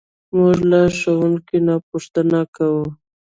موږ له ښوونکي نه پوښتنې کوو.